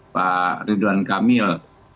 pak ridwan kamil